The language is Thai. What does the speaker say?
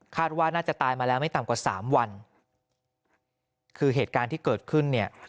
ว่าน่าจะตายมาแล้วไม่ต่ำกว่าสามวันคือเหตุการณ์ที่เกิดขึ้นเนี่ย